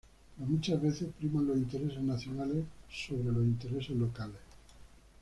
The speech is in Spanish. Pero muchas veces, priman los intereses nacionales por sobre los intereses locales.